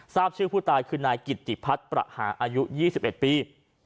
ทราบชื่อผู้ตายคือนายกิตติพัฒน์ประหาอายุ๒๑ปี